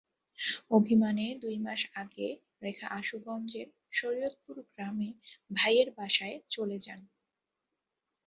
অভিমানে দুই মাস আগে রেখা আশুগঞ্জের শরীয়তপুর গ্রামে ভাইয়ের বাসায় চলে যান।